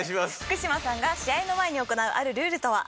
福島さんが試合の前に行うあるルールとは？